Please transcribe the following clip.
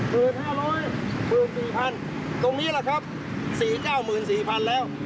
สี่ห้าร้อยสี่พันตรงนี้แหละครับสี่เก้าหมื่นสี่พันแล้ว